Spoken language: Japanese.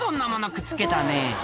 くっつけたね